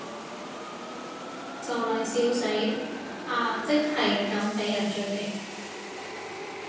就嚟笑死，阿即係咁被人狙擊